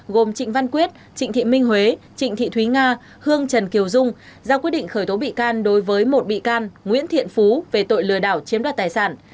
gồm trịnh văn quyết trịnh thị minh huế trịnh thị thúy nga hương trần kiều dung ra quyết định khởi tố bị can đối với một bị can nguyễn thiện phú về tội lừa đảo chiếm đoạt tài sản